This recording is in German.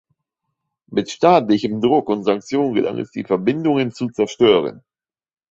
Mit staatlichem Druck und Sanktionen gelang es die Verbindungen zu zerstören.